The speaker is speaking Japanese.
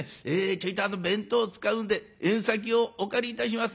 ちょいと弁当使うんで縁先をお借りいたします。